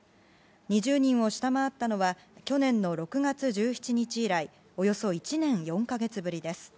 ２０人を下回ったのは去年の６月１７日以来およそ１年４か月ぶりです。